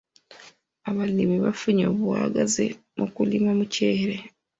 Abalimi bafunye obwagazi mu kulima omuceere.